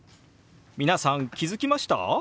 皆さん気付きました？